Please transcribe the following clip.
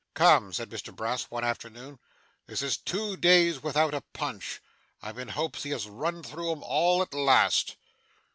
'Come,' said Mr Brass one afternoon, 'this is two days without a Punch. I'm in hopes he has run through 'em all, at last.